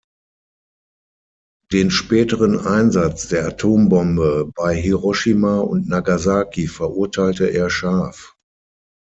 Den späteren Einsatz der Atombombe bei Hiroshima und Nagasaki verurteilte er scharf.